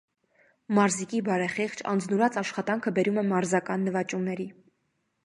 Մարզիկի բարեխիղճ, անձնուրաց աշխատանքը բերում է մարզական նվաճումների։